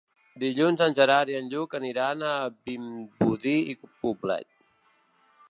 Dilluns en Gerard i en Lluc aniran a Vimbodí i Poblet.